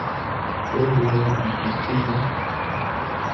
Por otro lado el Castillo.